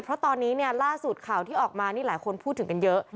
เพราะตอนนี้เนี่ยล่าสุดข่าวที่ออกมานี่หลายคนพูดถึงกันเยอะ